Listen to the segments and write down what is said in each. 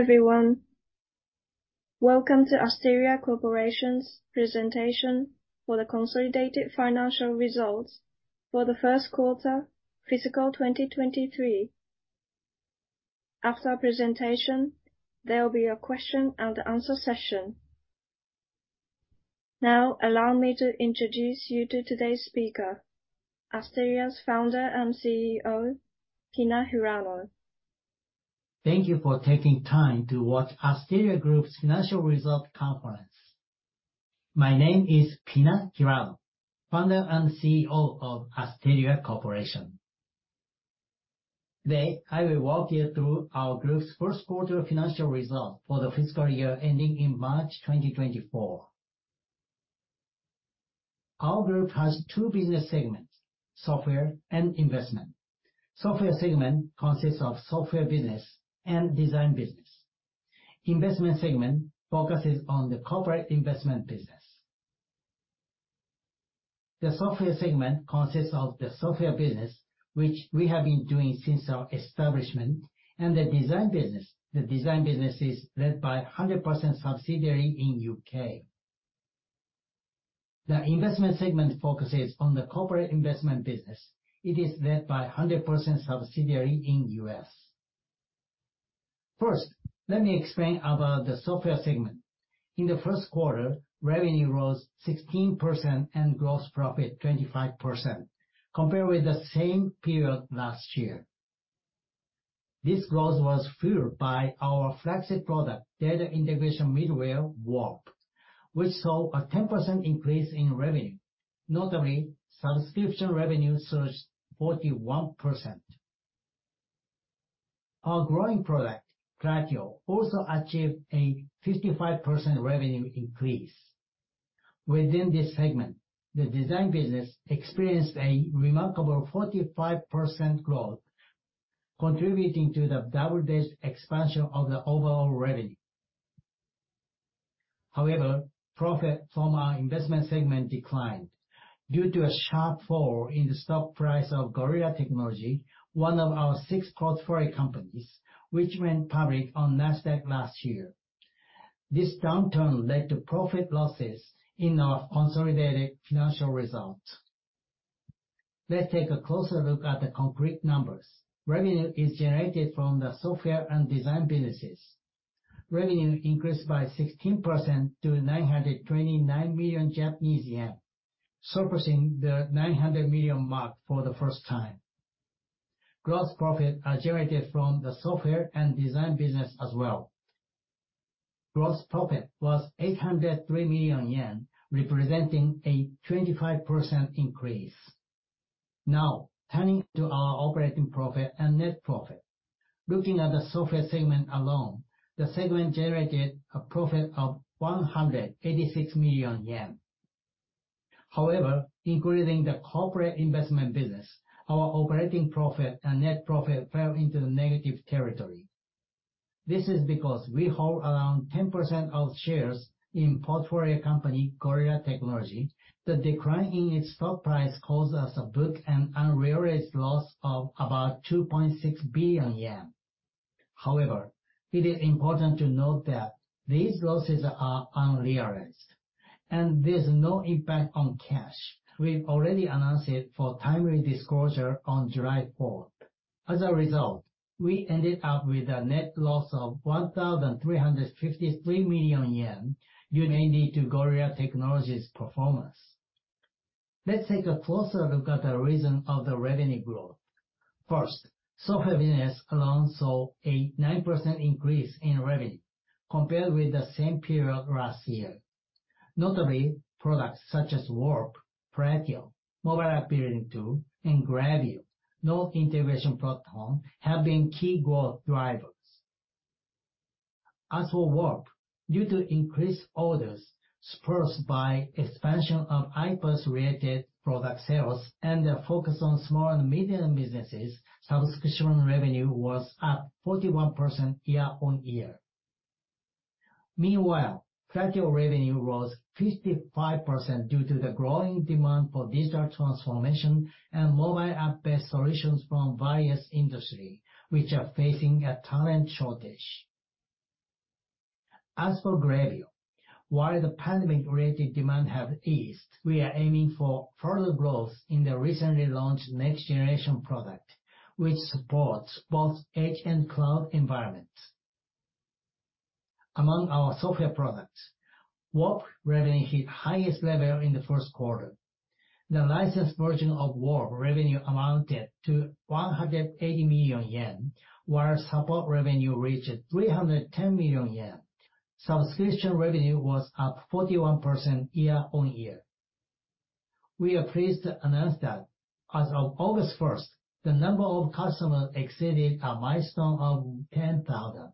Hello, everyone. Welcome to Asteria Corporation's presentation for the consolidated financial results for the first quarter fiscal 2023. After our presentation, there will be a question and answer session. Now, allow me to introduce you to today's speaker, Asteria's Founder and CEO, Pina Hirano. Thank you for taking time to watch Asteria Group's financial result conference. My name is Pina Hirano, Founder and CEO of Asteria Corporation. Today, I will walk you through our group's first quarter financial results for the fiscal year ending in March 2024. Our group has two business segments: software and investment. Software segment consists of software business and design business. Investment segment focuses on the corporate investment business. The software segment consists of the software business, which we have been doing since our establishment, and the design business. The design business is led by a 100% subsidiary in U.K. The investment segment focuses on the corporate investment business. It is led by a 100% subsidiary in U.S. First, let me explain about the software segment. In the first quarter, revenue rose 16% and gross profit 25% compared with the same period last year. This growth was fueled by our flagship product, data integration middleware, ASTERIA Warp, which saw a 10% increase in revenue. Notably, subscription revenue surged 41%. Our growing product, Platio, also achieved a 55% revenue increase. Within this segment, the design business experienced a remarkable 45% growth, contributing to the double-digit expansion of the overall revenue. However, profit from our investment segment declined due to a sharp fall in the stock price of Gorilla Technology, one of our six portfolio companies, which went public on Nasdaq last year. This downturn led to profit losses in our consolidated financial results. Let's take a closer look at the concrete numbers. Revenue is generated from the software and design businesses. Revenue increased by 16% to 929 million Japanese yen, surpassing the 900 million mark for the first time. Gross profit are generated from the software and design business as well. Gross profit was 803 million yen, representing a 25% increase. Now, turning to our operating profit and net profit. Looking at the software segment alone, the segment generated a profit of 186 million yen. However, including the corporate investment business, our operating profit and net profit fell into the negative territory. This is because we hold around 10% of shares in portfolio company, Gorilla Technology. The decline in its stock price caused us to book an unrealized loss of about 2.6 billion yen. However, it is important to note that these losses are unrealized, and there's no impact on cash. We've already announced it for timely disclosure on July fourth. As a result, we ended up with a net loss of 1,353 million yen due mainly to Gorilla Technology's performance. Let's take a closer look at the reason of the revenue growth. First, software business alone saw a 9% increase in revenue compared with the same period last year. Notably, products such as Warp, Platio, mobile app building tool, and Gravio, IoT integration platform, have been key growth drivers. As for Warp, due to increased orders spurred by expansion of iPaaS-related product sales and a focus on small and medium businesses, subscription revenue was up 41% year-on-year. Meanwhile, Platio revenue rose 55% due to the growing demand for digital transformation and mobile app-based solutions from various industries, which are facing a talent shortage. As for Gravio, while the pandemic-related demand have eased, we are aiming for further growth in the recently launched next-generation product, which supports both edge and cloud environments. Among our software products, Warp revenue hit highest level in the first quarter. The licensed version of Warp revenue amounted to 180 million yen, while support revenue reached 310 million yen. Subscription revenue was up 41% year-on-year. We are pleased to announce that as of August first, the number of customers exceeded a milestone of 10,000.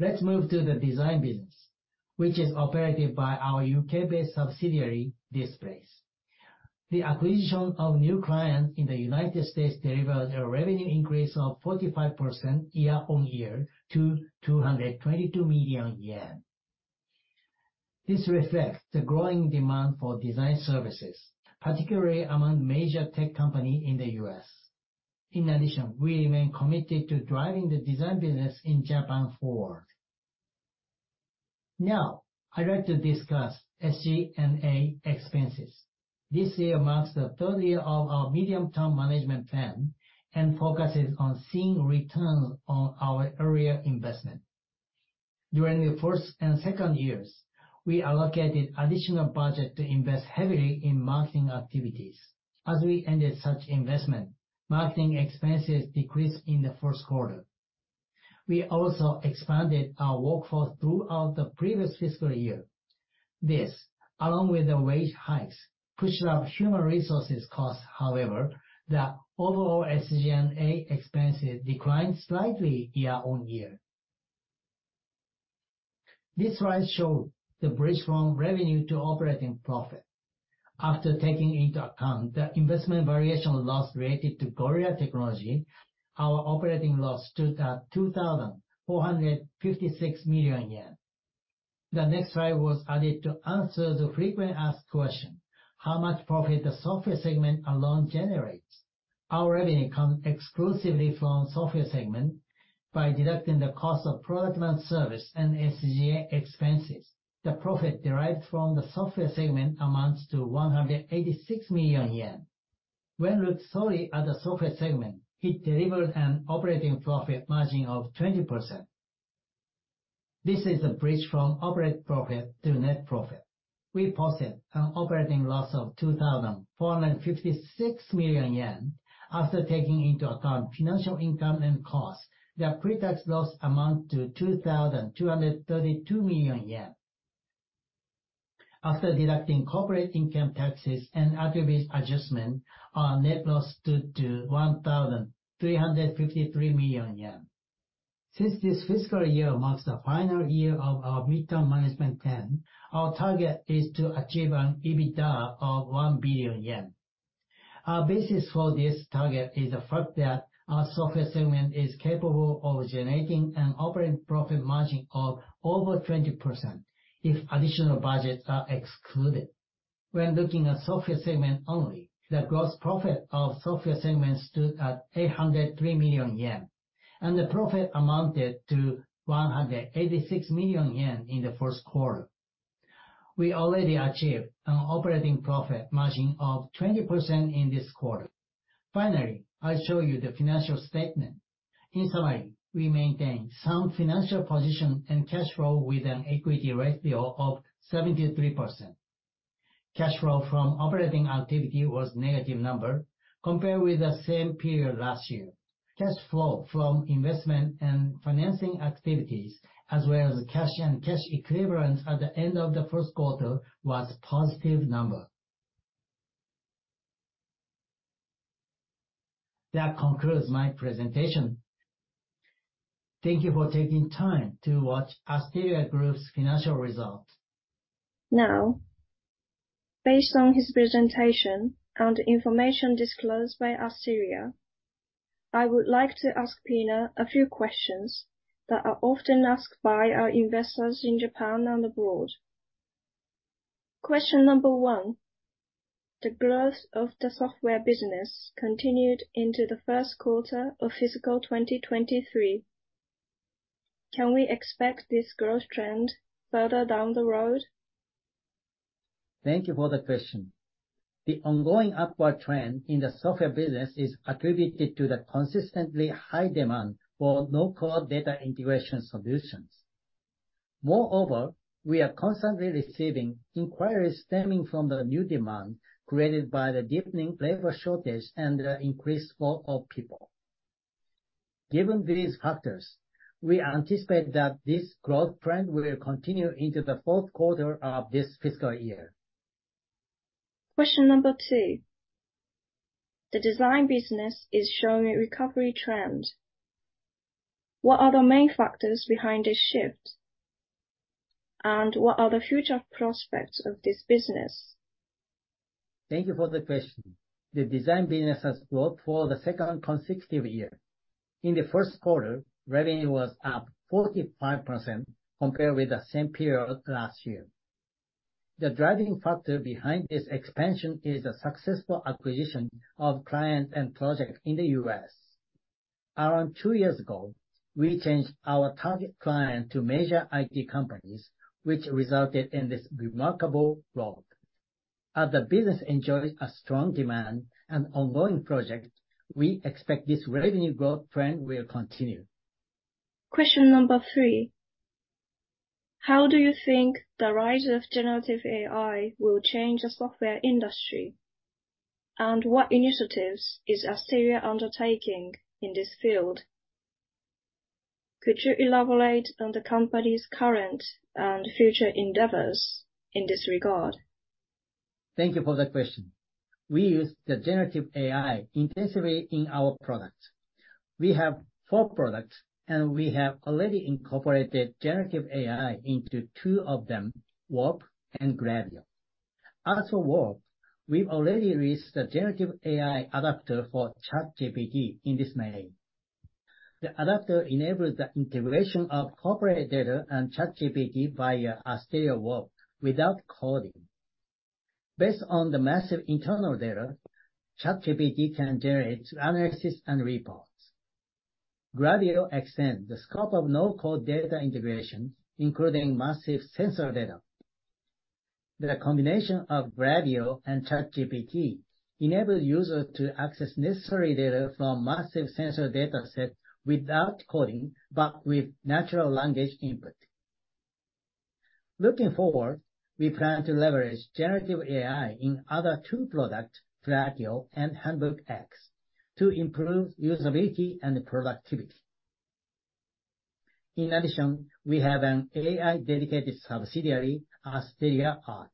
Let's move to the design business, which is operated by our U.K.-based subsidiary, This Place. The acquisition of new clients in the U.S. delivered a revenue increase of 45% year-on-year to 222 million yen. This reflects the growing demand for design services, particularly among major tech company in the U.S. In addition, we remain committed to driving the design business in Japan forward. I'd like to discuss SG&A expenses. This year marks the third year of our medium-term management plan and focuses on seeing returns on our earlier investment. During the first and second years, we allocated additional budget to invest heavily in marketing activities. As we ended such investment, marketing expenses decreased in the first quarter. We also expanded our workforce throughout the previous fiscal year. This, along with the wage hikes, pushed up human resources costs. The overall SG&A expenses declined slightly year-over-year. This slide shows the bridge from revenue to operating profit. After taking into account the investment valuation loss related to Gorilla Technology, our operating loss stood at 2,456 million yen. The next slide was added to answer the frequently asked question: how much profit the software segment alone generates? Our revenue comes exclusively from software segment. By deducting the cost of product and service and SG&A expenses, the profit derived from the software segment amounts to 186 million yen. When looked solely at the software segment, it delivered an operating profit margin of 20%. This is a bridge from operating profit to net profit. We posted an operating loss of 2,456 million yen. After taking into account financial income and costs, the pre-tax loss amount to 2,232 million yen. After deducting corporate income taxes and attributes adjustment, our net loss stood to 1,353 million yen. Since this fiscal year marks the final year of our mid-term management plan, our target is to achieve an EBITDA of 1 billion yen. Our basis for this target is the fact that our software segment is capable of generating an operating profit margin of over 20% if additional budgets are excluded. When looking at software segment only, the gross profit of software segment stood at 803 million yen, and the profit amounted to 186 million yen in the first quarter. We already achieved an operating profit margin of 20% in this quarter. Finally, I show you the financial statement. In summary, we maintain sound financial position and cash flow with an equity ratio of 73%. Cash flow from operating activity was negative number compared with the same period last year. Cash flow from investment and financing activities, as well as cash and cash equivalents at the end of the first quarter, was positive number. That concludes my presentation. Thank you for taking time to watch Asteria Group's financial results. Now, based on his presentation and information disclosed by Asteria, I would like to ask Pina a few questions that are often asked by our investors in Japan and abroad. Question number one: The growth of the software business continued into the first quarter of fiscal 2023. Can we expect this growth trend further down the road? Thank you for the question. The ongoing upward trend in the software business is attributed to the consistently high demand for low-code data integration solutions. Moreover, we are constantly receiving inquiries stemming from the new demand created by the deepening labor shortage and the increased work of people. Given these factors, we anticipate that this growth trend will continue into the fourth quarter of this fiscal year. Question number two: The design business is showing a recovery trend. What are the main factors behind this shift? What are the future prospects of this business? Thank you for the question. The design business has growth for the second consecutive year. In the first quarter, revenue was up 45% compared with the same period last year. The driving factor behind this expansion is the successful acquisition of clients and project in the U.S. Around two years ago, we changed our target client to major IT companies, which resulted in this remarkable growth. As the business enjoys a strong demand and ongoing project, we expect this revenue growth trend will continue. Question number three: How do you think the rise of generative AI will change the software industry? What initiatives is Asteria undertaking in this field? Could you elaborate on the company's current and future endeavors in this regard? Thank you for the question. We use the generative AI intensively in our products. We have four products, and we have already incorporated generative AI into two of them, Warp and Gravio. As for Warp, we've already released the Generative AI Adaptor for ChatGPT in this May. The adaptor enables the integration of corporate data and ChatGPT via ASTERIA Warp without coding. Based on the massive internal data, ChatGPT can generate analysis and reports. Gravio extends the scope of no-code data integration, including massive sensor data. The combination of Gravio and ChatGPT enables users to access necessary data from massive sensor dataset without coding, but with natural language input. Looking forward, we plan to leverage generative AI in other two products, Platio and Handbook X, to improve usability and productivity. In addition, we have an AI-dedicated subsidiary, Asteria ART.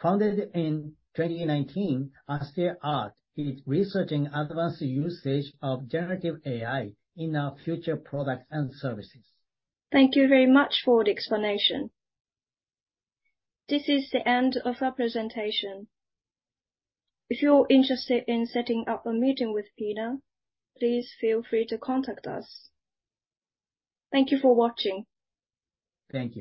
Founded in 2019, Asteria ART is researching advanced usage of generative AI in our future products and services. Thank you very much for the explanation. This is the end of our presentation. If you're interested in setting up a meeting with Pina, please feel free to contact us. Thank you for watching. Thank you.